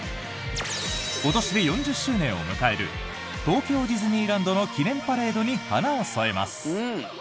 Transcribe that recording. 今年で４０周年を迎える東京ディズニーランドの記念パレードに花を添えます。